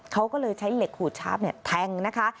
เขาก็เลยใช้เหล็กขูดชาร์ฟแทงนะคะ